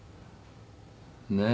ねえ。